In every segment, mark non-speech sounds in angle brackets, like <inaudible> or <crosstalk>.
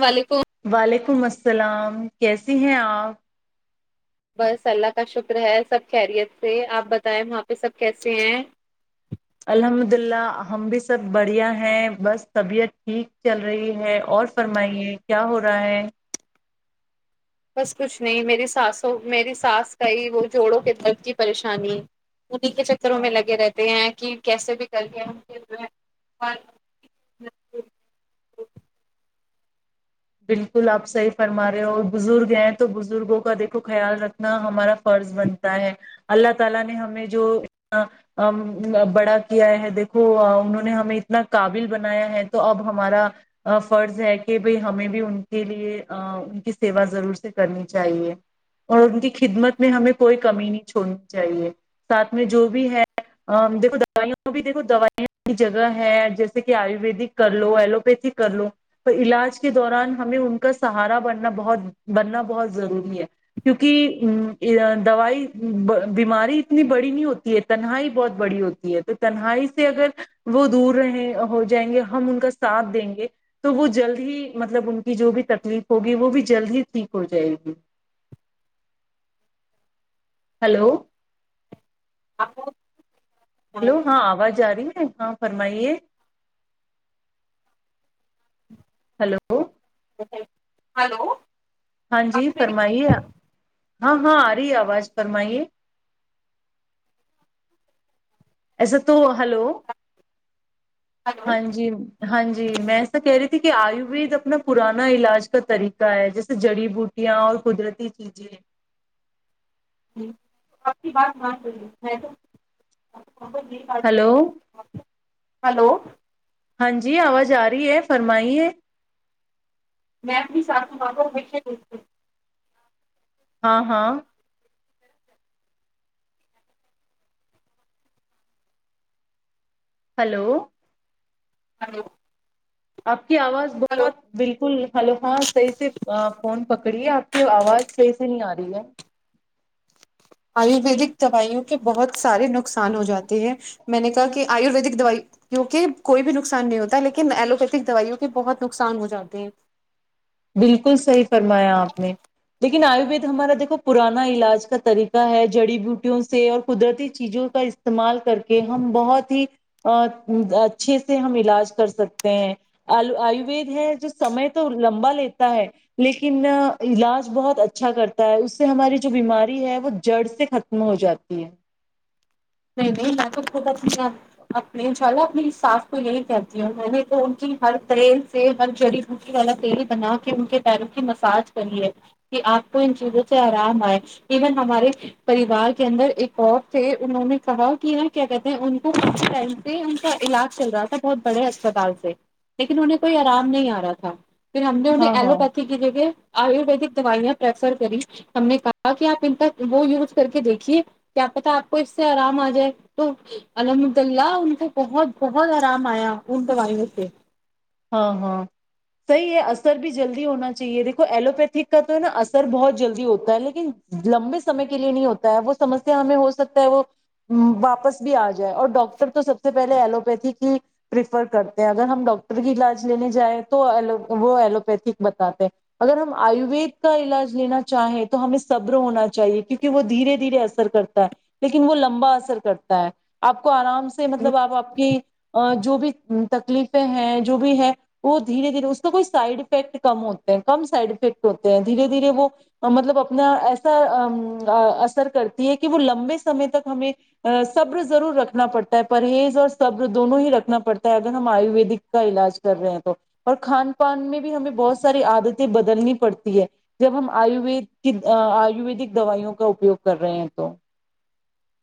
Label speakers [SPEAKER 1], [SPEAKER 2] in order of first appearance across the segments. [SPEAKER 1] وعلیکم
[SPEAKER 2] والےیک مست السلام کیسے ہیں آپ
[SPEAKER 1] بس اللہ کا شکر ہے سب خیریت سے آپ بتائیں وہاں پہ سب کیسے ہیں
[SPEAKER 2] الحمد اللہ ہم بھی سب بڑھیا ہیں بس طبیعت ٹھیک چل رہی ہے اور فرمائیے کیا ہو رہا ہے
[SPEAKER 1] بس کچھ نہیں میری سانسوں میری سانس کا ہی وہ جوڑو کلب کی پریشانی ا کے چکروں
[SPEAKER 2] ہاں
[SPEAKER 1] میں لگے رہتے ہیں کہ کیسے بھی کر ل ہم جو اور
[SPEAKER 2] بالکل آپ صحیح فرما رہے اور بزرگ ہیں تو بزرگوں کا دیکھو خیال رکھنا ہمارا فرض بنتا ہے اللہ تعالی نے ہمیں جو بڑا کیا ہے دیکھو انہوں نے ہمیں اتنا قابل بنایا ہے تو اب ہمارا فرض ہے کہ بھائی ہمیں بھی ان کے لیے ان کی سیوا ضرور سے کرنی چاہیے اور ان کی خدمت میں ہمیں کوئی کمی نہیں چھوڑنی چاہیے ساتھ میں جو بھی ہے دیکھو دو بھی دیکھو دویاں کی جگہ ہے جیسے کہ آیویدک کر لو ایلوپیتھ کر لو پر علاج کے دوران ہمیں ان کا سہارا بننا بہت بننا بہت ضروری ہے کیونکہ دوائی بیماری اتنی بڑی نہیں ہوتی ہے تنہائی بہت بڑی ہوتی ہے تو تنہائی سے اگر وہ دور رہے ہو جائیں گے ہم ان کا ساتھ دیں گے تو وہ جلد ہی مطلب ان کی جو بھی تکلیف ہوگی وہ بھی جلد ہی ٹھیک ہو جائے گی ہلو
[SPEAKER 1] آپ
[SPEAKER 2] ہلو ہاں آواز آ رہی ہاں فرمائیے ہلو
[SPEAKER 1] ات <unintelligible> ہلو
[SPEAKER 2] ہاں جی
[SPEAKER 1] آپ کو میری
[SPEAKER 2] فرمائی
[SPEAKER 1] بات آ
[SPEAKER 2] ہے
[SPEAKER 1] رہی
[SPEAKER 2] ہاں ہاں آ رہی ہے آواز فرمائیے ایسا تو <unintelligible> ہلو
[SPEAKER 1] ہے؟
[SPEAKER 2] ہاں
[SPEAKER 1] ہلو
[SPEAKER 2] جی ہاں ج جی میں ایسا کہہ رہی تھی کہ آیوروید اپنا پرانا علاج کا طریقہ ہے جیسے جڑی بوٹیاں اور قدرتی چیزیں
[SPEAKER 1] جی آپ کی بات معات کریے میں تو ا ب جی آ
[SPEAKER 2] ہلو
[SPEAKER 1] ہلو
[SPEAKER 2] ہاں جی آواز آ رہی ہے فرمائی ہے
[SPEAKER 1] میں اپنی ساتم کوےوں
[SPEAKER 2] ہاں ہاں ہلو
[SPEAKER 1] ہ <unintelligible>
[SPEAKER 2] آپ <unintelligible> کی آواز بہت بالکل ہلو ہاں صحیح سے فون پکڑی ہے آپ کی آواز صحیح سے نہیں آ رہی ہے
[SPEAKER 1] آیورویدک دوائیوں کے بہت سارے نقصان ہو جاتے ہیں میں نے کہا کہ آیورویدک دوائیوں کے کوئی بھی نقصان نہیں ہوتا لیکن ایلوپیتھک دوائیوں کے بہت نقصان ہو جاتے ہیں
[SPEAKER 2] بالکل صحیح فرمایا آپ نے لیکن آیوروید ہمارا دیکھو پرانا علاج کا طریقہ ہے جڑی بوٹیوں سے اور قدرتی چیزوں کا استعمال کر کے ہم بہت ہی اچھے سے ہم علاج کر سکتے ہیں آیوید ہے جو سمے تو لمبا لیتا ہے لیکن علاج بہت اچھا کرتا ہے اس سے ہماری جو بیماری ہے وہ جڑ سے ختم ہو جاتی ہے
[SPEAKER 1] نہیں نہیں میں تو خود اپنی اپنے چالو اپنی ساس کو یہی کہتی ہوں میں نے تو ان کی ہر تیل سے ہر جڑی بوٹی والا تیل بنا کے ان کے پیروں کی مساج کری ہے کہ آپ کو ان چیزوں سے آرام آئے ایون ہمارے پریوار کے اندر ایک اور تھے انہوں نے کہا کہ ن کیا کہتے ہیں ان کو ٹائم سے ان کا علاج چل رہا تھا بہت بڑے اسپتال سے لیکن انہیں کوئی آرام نہیں آ رہا تھا پھر ہم نے انہیں
[SPEAKER 2] ہاں ہاں
[SPEAKER 1] ایلوپیتھی کی جگہ آیورویدک دوائیاں پریفر کری ہم نے کہا کہ آپ ان کا وہ یوز کر کے دیکھیے کیا پتا آپ کو سے آرام آ جائے تو الحمد اللہ ان کو بہت بہت آرام آیا ان دوائیوں سے
[SPEAKER 2] ہاں ہاں صحیح ہے اثر بھی جلدی ہونا چاہیے دیکھو ایلوپیتک کا تو ہے نا اثر بہت جلدی ہوتا ہے لیکن لمبے سمے کے لیے نہیں ہوتا ہے وہ سمسیا ہمیں ہو سکتا ہے وہ واپس بھی آ جائے اور ڈاکٹر تو سب سے پہلے ایلوپیتھک ہی پریفر کرتے ہیں اگر ہم ڈر علاج لینے جائے توو وہ ایلوپیتھ بتاتے اگر ہم آیوروید کا علاج لینا چاہیں تو ہمیں صبر ہونا چاہیے کیونکہ وہ دھیرے دھیرے اثر کرتا ہے لیکن وہ لمبا اثر کرتا ہے آپ کو آرام سے مطلب آپ آپ کی جو بھی تکلیفیں ہیں جو بھی ہے وہ دھیرے دھیرے اس کا کوئی سائڈ افیکٹ کم ہوتے ہیں کم سائڈ افیکٹ ہوتے ہیں دھیرے دھیرے وہ مطلب اپنا ایسا اثر کرتی ہے کہ وہ لمبے سمے تک ہمیں سبر ضرور رکھنا پڑتا ہے پرہیز اور سبر دونوں ہی رکھنا پڑتا ہے اگر ہم آیویدک کا علاج کر رہے ہیں تو اور کھان پان میں بھی ہمیں بہت ساری عادتیں بدلنی پڑتی ہے جب ہم آیوید کی آیورویدک دوائیوں کا اپیوگ کر رہے ہیں تو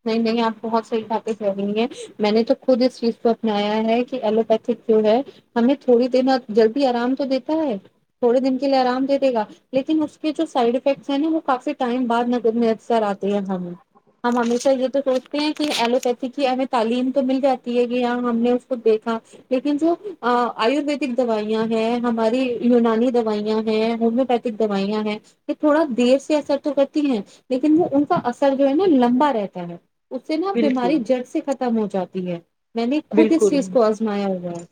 [SPEAKER 1] نہیں نہیں آپ بہت صحیح ٹا پہ کہہ رہی ہیں میں نے تو خود اس چیز کو اپنایا ہے کہ ایلوپیتھک جو ہے ہمیں تھوڑی دن جلدی آرام تو دیتا ہے تھوڑے دن کے لیے آرام دے دے گا لیکن اس کے جو سائڈ افیکٹس ہیں نا وہ کافی ٹائم بعد ند میں اکثر آتے ہے ہمیں ہ <inaudible> سوچتے ہیں کہ ایلوپیتھی کی ہمیں تعلیم تو مل جاتی ہے کہ ہاں ہم نے اس کو دیکھا لیکن جو آیورویدک دوائیاں ہیں ہماری یونانی دوائیاں ہیں ہومیوپیتھک دوائیاں ہیں یہ تھوڑا دیر سے اثر تو کرتی ہیں لیکن وہ ان کا اثر جو ہے نا لمبا رہتا ہ <unintelligible> اس سے نا
[SPEAKER 2] بالکل
[SPEAKER 1] بیماری جڑ سے ختم ہوتی جاتی ہے میں نے خود اس چیز
[SPEAKER 2] بالکل
[SPEAKER 1] کو آزمایا ہوا ہے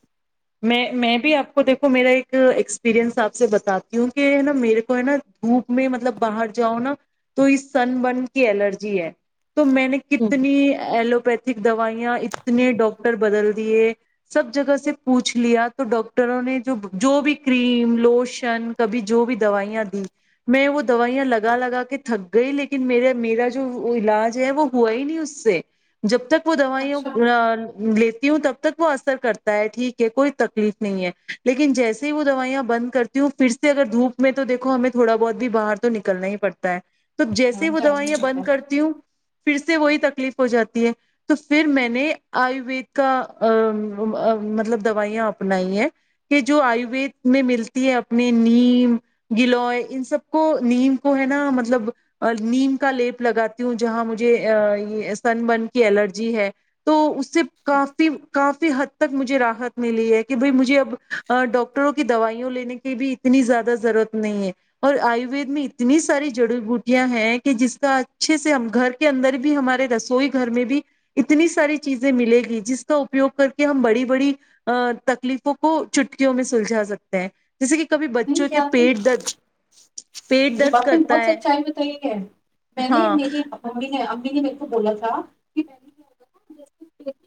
[SPEAKER 2] میں میں بھی آپ کو دیکھو میرا ایک ایکسپیرنس آپ سے بتاتی ہوں کہ ہے نا میرے کو ہے نا دھوپ میں مطلب باہر جاؤ نا تو اس سن برن کی الرجی ہے تو میں نے
[SPEAKER 1] ہ
[SPEAKER 2] کتنی ایلوپیتھی دوائیاں اتنے ڈاکٹر بدل دیے سب جگہ سے پوچھ لیا تو ڈاکٹروں نے جو جو بھی کریم لوشن کبھی جو بھی دوائیاں دی میں وہ دوائیاں لگا لگا کے تھک گئی لیکن میرا میرا جو علاج ہے وہ ہوا ہی نہیں اس سے جب تک پ دوا ہی
[SPEAKER 1] اچھا
[SPEAKER 2] ا لیتی ہوں تب تک وہ اثر کرتا ہے ٹھیک کوئی تکلیف نہیں ہے لیکن جیسے ہی وہ دوائیاں بند کرتی ہوں پھر سے اگر دھوپ میں تو دیکھو ہمیں تھوڑا بہت بھی باہر تو نکلنا ہی پڑتا تو
[SPEAKER 1] ہاں،
[SPEAKER 2] جیسے وہ دوائیاں
[SPEAKER 1] چائنیز ہوتا
[SPEAKER 2] بند
[SPEAKER 1] ہے۔
[SPEAKER 2] کرتی ہوں پھر سے وہی تکلیف ہو جاتی ہے تو پھر میں نے آیوروید کا مطلب دوائیاں اپنائی ہیں کہ جو آیوید میں ملتی ہے اپنے نیم گلو ان سب کو نیم کو ہے نا مطلب نیم کا لیپ لگاتی ہوں جہاں مجھے سن برن کی الرجی ہے تو سے کافی کافی حد تک مجھےاحت ملی ہے کہ بھائی مجھے اب ڈاکٹروں کی دوائیوں لینے کی بھی اتنی زیادہ ضرورت نہیں ہے اور آیوروید میں اتنی ساری جڑی بوٹیاں ہیں کہ جس کا اچھے سے ہم گھر کے اندر بھی ہمارے رسوئی گھر میں بھی اتنی ساری چیزیں ملے گی جس کا اپیوگ کر کے ہم بڑی بڑی ا تکلیفوں کو چٹکیوں میں سلجھا سکتے ہیں جیسے کہ کبھی
[SPEAKER 1] نہیں
[SPEAKER 2] بچوں کے
[SPEAKER 1] کیا آپ
[SPEAKER 2] پیٹ درد پیٹ
[SPEAKER 1] مے
[SPEAKER 2] درد
[SPEAKER 1] باپ نے
[SPEAKER 2] کرتا
[SPEAKER 1] بہت
[SPEAKER 2] ہے
[SPEAKER 1] سچائی بتائی ہے میں نے
[SPEAKER 2] ہاں
[SPEAKER 1] میری امی نے مے کو بولا تھا کہ تھا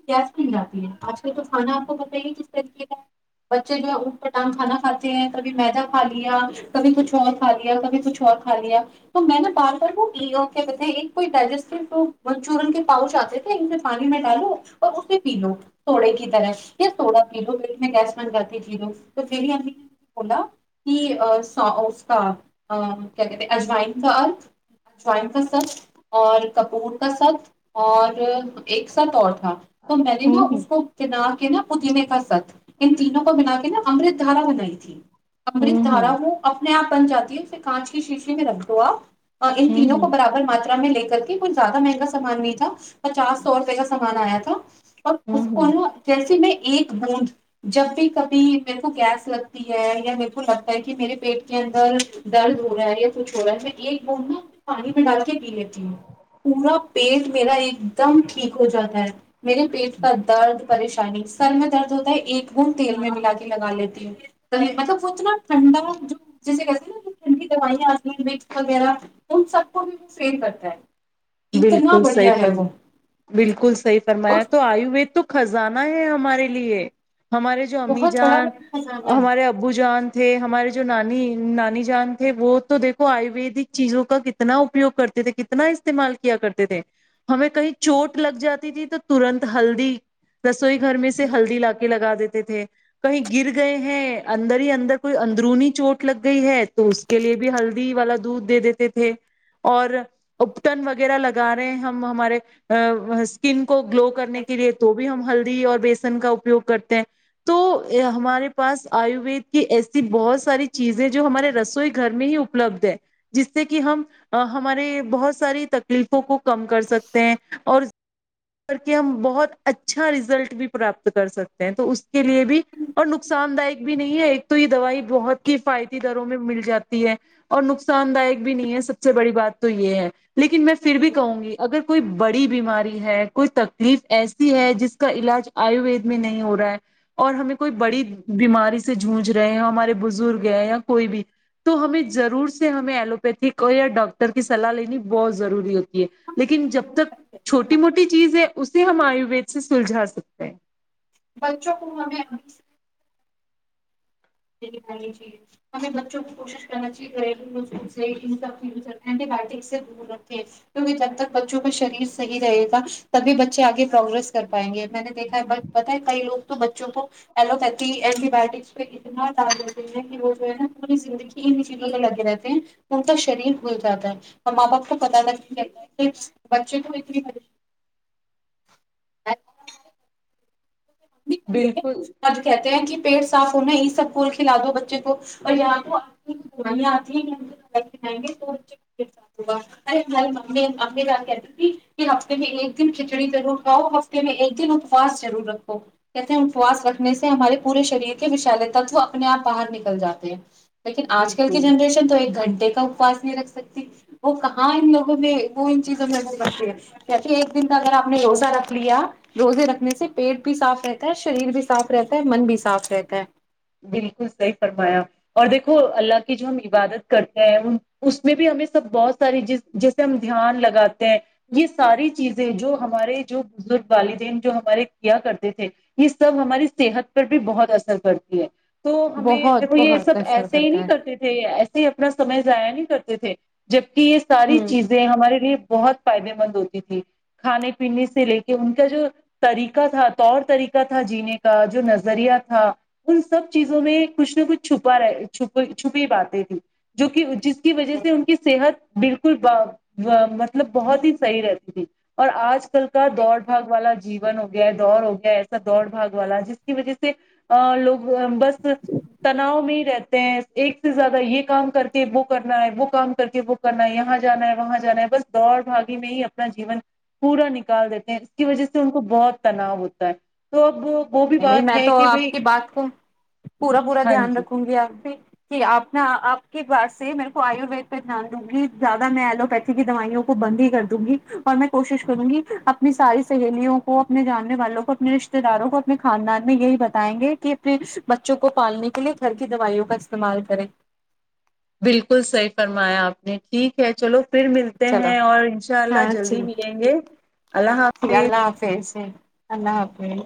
[SPEAKER 1] گیس آتی ہے آج کل تو کھانا آپ کو بت کس طریقے کا بچے جو ہے اونٹ کاٹام کھانا کھاتے ہیں کبھی میدا کھا لیا کبھی کچھ اور کھا لیا کبھی کچھ اور کھا لیا تو میں نے بار بار وہ پی کہ ب تھ ایک کوئی ڈس منچورن کے پاؤچ آتے تھے ان پانی میں ڈالو اور اسے پی لو سوڈے کی طرح یا سوڈا پی لو پیٹ میں گیس بند کرتی تھی لو تو پھرمی بولا کہ اس کا کیا کہتے ہیں اجوائن کا ار اجوائن کا سب اور کپور کا سب اور ایک ساتھ اور تھا تو میں نے نا اس کو کنا نا پتینے کا ست ان تینوں کو ملا کے نا امرت دھارا بنائی تھی
[SPEAKER 2] ہوں
[SPEAKER 1] امرت
[SPEAKER 2] ہوں
[SPEAKER 1] دھارا وہ اپنے آپ بن جاتی ہے اسھر کانچ کے شیشے میں رکھ دوو آپ ان تینوں کو
[SPEAKER 2] ہوں
[SPEAKER 1] برابر مان میں لے کر کے کچھ زیادہ مہنگا سامان نہیں تھا پچاس سو روپئے کا سامان آیا تھا اور اس
[SPEAKER 2] ہوں
[SPEAKER 1] کو
[SPEAKER 2] ہوں
[SPEAKER 1] نا جیسے میں ایک بوند جب بھی کبھی میرے کو گیس لگ یا میرے کو لگتا ہے کہ میرے پیٹ کے اندر درد ہو رہا ہے یا کچھ ہو رہا ہے میں ایک بند نا پانی میں ڈال کے پی لیتی ہوں پورا پیٹ میرا ایک دم ٹھیک ہو جاتا ہے میرے پیٹ کا درد پریشانی سر میں
[SPEAKER 2] ہوں
[SPEAKER 1] درد ہوتا ہے ایک بند تیل میں ملا جات لگا لیتی مطلب وہ اتنا ٹھنڈا جو جسے کہتے ہیں نا ٹھنڈی دوائیاں آتی ہیں مکس وغیرہ ان سب کو بھی وہ فیر کرتا ہے اتنا
[SPEAKER 2] بالکل صحیح
[SPEAKER 1] بڑھیا ہے
[SPEAKER 2] فرما
[SPEAKER 1] وہ
[SPEAKER 2] بالکل صحی
[SPEAKER 1] اور
[SPEAKER 2] فرمایا تو آیوروید تو خزانہ ہے ہمارے لیے ہمارے جو امی جان ہمارے ابو جان تھے ہمارے جو جو نانی نانی جان تھے وہ تو دیکھو آیورویدک چیزوں کا کتنا اپیوگ کرتے تھے کتنا اس استعمال کیا کرتے تھے ہمیں کہیں چوٹ لگ جاتی تھی تو ترنت ہلدی رس سوئی گھر میں سے ہلدی لا کے لگا دیتے تھے کہیں گر گئے ہیں اندر ہی اندر کوئی اندرونی چوٹ لگ گئی ہے تو اس کے لیے بھی ہلدی والا دودھ دے دیتے تھے اور ٹن وغیرہ لگا رہے ہیں ہمارے اسکن کو گلو کرنے کے لیے تو بھی ہم ہل اور بیسن کا اپیوگ کرتے ہیں تو ہمارے پاس آیوید کی ایسی بہت ساری چیزیں جو ہمارے رسوئی گھر میں ہی اپلبدھ ہے جس سے کہ ہم ہمارے بہت ساری تکلیفوں کو کم کر سکتے ہیں اور کر کے ہم بہت اچھا رزلٹ بھی پراپت کر سکتے ہیں تو اس کے لیے بھی اور نقصان دائک بھی نہیں ہے ایک تو یہ دوائی بہت ہیفاتی دروں میں مل جاتی ہے اور نقصان دائک بھی نہیں ہے سب سے بڑی بات تو یہ ہے لیکن میں پھر بھی کہوں گی اگر کوئی بڑی بیماری ہے کوئی تکلیف ایسی ہے جس کا علاج آیوید میں نہیں ہو رہا ہے اور ہمیں کوئی بڑی بیماری سے جونج رہے ہیں ہمارے بزرگ ہیں یا کوئی بھی تو ہمیں ضرور سے ہمیں ایلوپیتک یا ڈاکٹر کی سلاح لینی بہت ضوری
[SPEAKER 1] ہمیں
[SPEAKER 2] لیکن جب تک چھوٹی موٹی چیز ہے اسے ہم آی و سے سلجا سکتے ہیں
[SPEAKER 1] بچوں کو ہمیں چاہے ہمیں بچوں کو کوشش کرنا چاہیے گری سبزٹی ب سے دور رکھیں کیونکہ جب تک بچوں کا شریر صحیح رہے گا تب بھی بچے آگے پروگریس کر پائیں گے میں نے دیکھا ہے بس پت ہے کئی لوگ تو بچوں کو ایلوپیتھی اینٹی بایوٹکس پہ ہیں کہ وہ جو ہے نا پوری زندگی یہ نیچیے لگے رہتے ہیں ان کا شریر بھول جا ہے اور ماں باپ کو پت لگنے چتا ہے کہ بچے کو اتنی لے کے
[SPEAKER 2] بالکل
[SPEAKER 1] ا کہتے ہیں کہ پیٹ صاف ہونا یہ سب پھول کھلا دو بچے کو اور یہاں تو دوائیاں آتی ہیں کھلائیں گے تو بچ کا ہوگارنے کہتے ت کہ ہفتے میں ایک دن کھچڑی ضرور کاؤ ہفتے میں ایک دن اپواس ضرور رکھ کہتے ہیں اپوس رکھنے سے ہمارے پورے شریر کے وشالے تتو اپنے آپ باہر نکل جاتے ہیں لیکن آج کل کی
[SPEAKER 2] بالکل
[SPEAKER 1] جنریشن تو ایک گھنٹے کے اپوس نہیں رکھ سکتی وہ کہاں ان لوگوں میں وہ ان چیزوں میں ن کرتی ہے ایک دن کا اگر آپ نے روزہ رکھ لیا روزے رکھنے سے پیٹ بھی صاف رہتا ہے شریر بھی صاف رہتا ہے من بھی صاف رہتا ہے
[SPEAKER 2] بالکل صحیح فرمایا اور دیکھو اللہ کی جو ہم عبادت کرتے ہیں ان اس میں بھی ہمیں سب بہت ساری ج جیسے ہم دھیان لگاتے ہیں یہ ساری چیزیں جو ہمارے جو بزرگ والدین جو ہمارے کیا کرتے تھے یہ سب ہماری صحت پر بھی بہت اثر پتا جی تو ہمیں
[SPEAKER 1] بہت
[SPEAKER 2] دب یہ سب
[SPEAKER 1] بہت اثر
[SPEAKER 2] ایسے ہی
[SPEAKER 1] کرتا
[SPEAKER 2] نہیں
[SPEAKER 1] ہے
[SPEAKER 2] کرتے تھے اپنا سمے ایاع نہیں کرتے تھے جب کہ یہ ساری
[SPEAKER 1] ہوں
[SPEAKER 2] چیزیں ہمارے لیے بہت فائدے مند ہوتی تھی کھانے پینے سے لے کے ان کا جو طریقہ تھا طور طریقہ تھا جینے کا جو نظریہ تھا ان سب چیزوں میں کچھ نہ کچھ چھپا رہ چ چھپی باتیں تیں جو کہ جس کی وجہ سے ان کی صحت بالکل مطلب بہت ہی صحیح رہتی تھی اور آج ل کا دوڑ بھگ والا جیز ہو گیا دڑ ہو گیا ایسا دوڑ بھگ والا جس کی وجہ سے لوگ بس تناؤ میں ہی رہتے ہیں ایک سے زیادہ یہ کام کر کے وہ کرنا ہے وہ کام کر کے وہ کرنا ہے یہاں جانا ہے وہاں جانا ہے بس دوڑ بھاگی میں ہی اپنا جیون پورا نکال دیتے ہیں اس کی وجہ سے ان کو بہت تناؤ ہوتا ہے تو اب وہ بھی
[SPEAKER 1] نہیں نہیں
[SPEAKER 2] بات
[SPEAKER 1] میں
[SPEAKER 2] ہے
[SPEAKER 1] تو
[SPEAKER 2] کہ
[SPEAKER 1] آپ
[SPEAKER 2] بھائی
[SPEAKER 1] کی بات کووں پورا پورا
[SPEAKER 2] ہاں
[SPEAKER 1] دھیان
[SPEAKER 2] جی
[SPEAKER 1] رکھوں گی آپ سے کہ آپ نے آپ کے بار سے میرے کو آیوروید پہ دھیان دوں گی زیادہ میں ایلوپیتھی کی دوائیوں کو بند ہی کر دوں گی اور میں کوشش کروں گی اپنی ساری سہیلیوں کو اپنے جاننے والوں کو اپنے رشتے داروں کو اپنے خاندان میں یہی بتائیں گے کہ اپنے بچوں کو پالنے کے لیے گھر کی دوائیوں کا استعمال کریں
[SPEAKER 2] بالکل صحیح فرمایا آپ نے ٹھیک ہے چلو پھر ملتے
[SPEAKER 1] چلو
[SPEAKER 2] ہیں اور انشاء اللہ
[SPEAKER 1] ہاں ٹھیک
[SPEAKER 2] جلدی ملیں گے اللہ
[SPEAKER 1] ٹھیک
[SPEAKER 2] حافظ
[SPEAKER 1] اللہ حافظ اللہ آپمیے